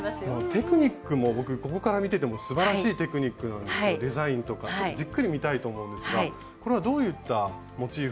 テクニックも僕ここから見ててもすばらしいテクニックなんですけどデザインとかじっくり見たいと思うんですがこれはどういったモチーフなんですか？